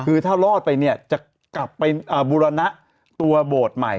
คือถ้ารอดไปเนี่ยจะกลับไปบูรณะตัวโบสถ์ใหม่